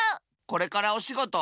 これからおしごと？